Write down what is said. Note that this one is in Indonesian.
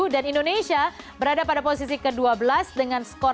dan indonesia berada pada posisi ke dua belas dengan skor enam puluh delapan